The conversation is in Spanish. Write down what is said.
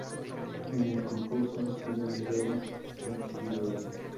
En el concurso ha sido enviado el vídeo.